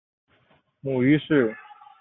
母于氏。